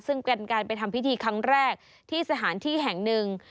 ซึ่งเป็นการไปทำพิธีครั้งแรกที่สถานที่แห่งหนึ่ง